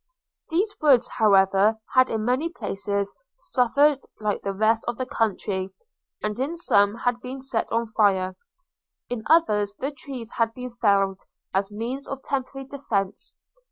These woods, however, had in many places suffered like the rest of the country; and in some had been set on fire – in others the trees had been felled, as means of temporary defence.